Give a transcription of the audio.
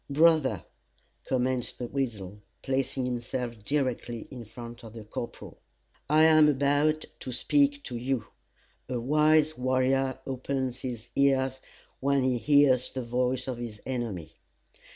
"Brother," commenced The Weasel, placing himself directly in front of the corporal, "I am about to speak to you. A wise warrior opens his ears, when he hears the voice of his enemy.